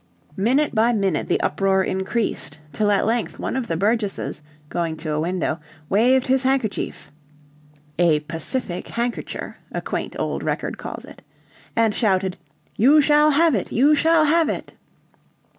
Minute by minute the uproar increased, till at length one of the Burgesses, going to a window, waved his handkerchief ("a pacifeck handkercher" a quaint old record calls it) and shouted, "You shall have it, you shall have it."